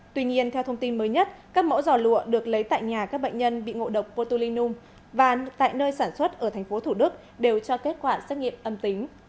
tuy nhiên theo thông tin mới nhất các mẫu giò lụa được lấy tại nhà các bệnh nhân bị ngộ độc botulinum và tại nơi sản xuất ở tp thủ đức đều cho kết quả xét nghiệm âm tính